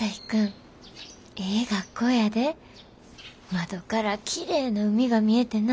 窓からきれいな海が見えてな。